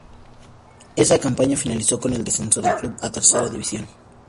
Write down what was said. Esa campaña finalizó con el descenso del club a Tercera División.